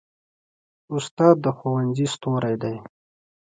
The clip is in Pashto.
استاد د ښوونځي ستوری دی.